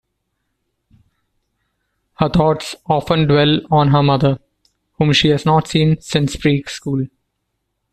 Her thoughts often dwell on her mother, whom she has not seen since pre-school.